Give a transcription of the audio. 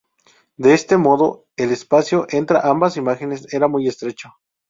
De este modo, el espacio entra ambas imágenes era muy estrecho.